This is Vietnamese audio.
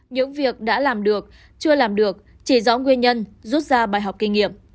những việc đã làm được chưa làm được chỉ rõ nguyên nhân rút ra bài học kinh nghiệm